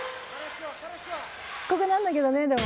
ここなんだけどねでも。